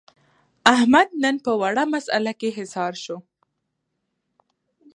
احمد نن په وړه مسعله کې حصار شو.